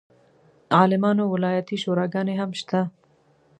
عالمانو ولایتي شوراګانې هم شته.